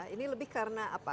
ini lebih karena apa